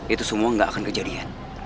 itu semua nggak akan kejadian